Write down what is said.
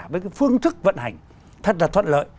với cái phương thức vận hành thật là thoát lợi